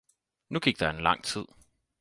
Nu gik der en lang tid